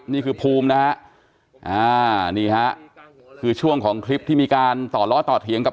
นี่คือภูมินะฮะนี่ฮะคือช่วงของคลิปที่มีการต่อล้อต่อเถียงกับ